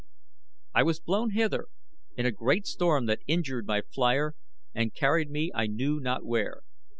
"I was blown hither in a great storm that injured my flier and carried me I knew not where.